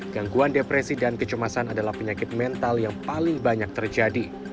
gangguan depresi dan kecemasan adalah penyakit mental yang paling banyak terjadi